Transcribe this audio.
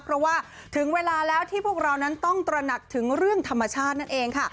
เพราะว่าถึงเวลาแล้วที่พวกเรานั้นต้องตระหนักถึงเรื่องธรรมชาตินั่นเองค่ะ